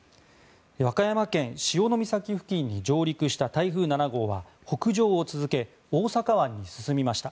和歌山県・潮岬付近に上陸した台風７号は北上を続け大阪湾に進みました。